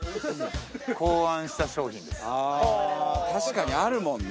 ああ確かにあるもんね。